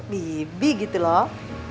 bibi gitu loh